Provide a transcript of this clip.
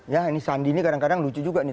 ya ini sandi ini kadang kadang lucu juga nih